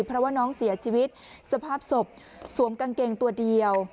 เพราะว่าน้องเสียชีวิตสภาพศพสวมกางเกงตัวเดียว